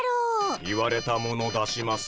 言われたもの出します。